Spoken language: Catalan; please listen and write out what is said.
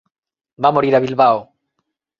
Va morir a Bilbao.